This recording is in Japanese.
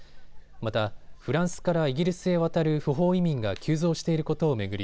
また、フランスからイギリスへ渡る不法移民が急増していることを巡り